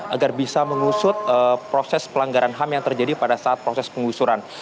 agar bisa mengusut proses pelanggaran ham yang terjadi pada saat proses pengusuran